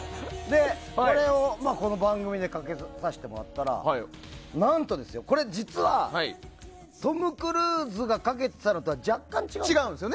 これをこの番組でかけさせてもらったら何と、これ実はトム・クルーズがかけてたのとは若干違うんですよ。